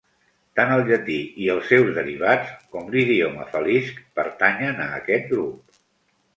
Tant el llatí i els seus derivats, com l'idioma falisc pertanyen a aquest grup.